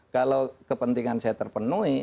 kalau kepentingan saya terpenuhi